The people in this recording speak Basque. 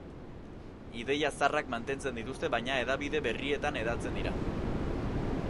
Ideia zaharrak mantentzen dituzte baina hedabide berrietan hedatzen dira.